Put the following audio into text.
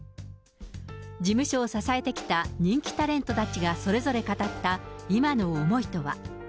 事務所を支えてきた人気タレントたちがそれぞれ語った今の思いとは。